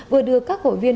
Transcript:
vừa đưa các hội viên